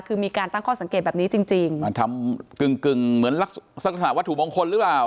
คือมีการตั้งข้อสังเกตแบบนี้จริงจริงมันทำกึ่งกึ่งเหมือนลักษณะวัตถุมงคลหรือเปล่า